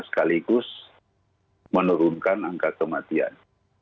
sekaligus menurunkan angka kematian